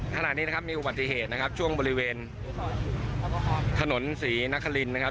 ขนาดนี้นะครับมีอุบัติเธสนะครับ